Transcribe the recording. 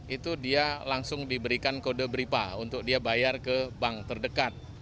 itu dia langsung diberikan kode bripa untuk dia bayar ke bank terdekat